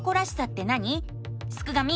すくがミ！